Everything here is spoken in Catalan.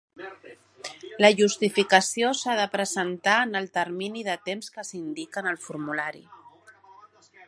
La justificació s'ha de presentar en el termini de temps que s'indica en el formulari.